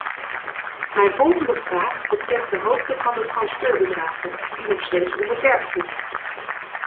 Mijn volgende vraag betreft de hoogte van transferbedragen, die nog steeds onbeperkt is.